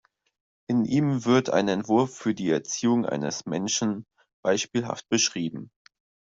In ihm wird ein Entwurf für die Erziehung eines Menschen beispielhaft beschrieben.